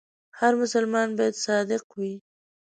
هر مسلمان باید صادق وي.